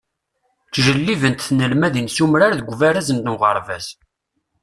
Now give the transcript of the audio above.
Ttǧellibent tnelmadin s umrar deg ubaraz n uɣerbaz.